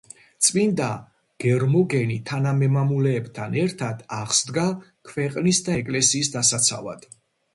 წმინდა გერმოგენი თანამემამულეებთან ერთად აღსდგა ქვეყნის და ეკლესიის დასაცავად.